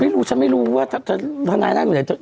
ไม่รู้ฉันไม่รู้ว่าท่านายนั่งอยู่ไหน